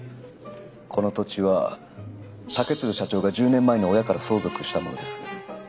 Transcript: この土地は竹鶴社長が１０年前に親から相続したものです。